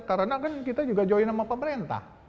karena kan kita juga join sama pemerintah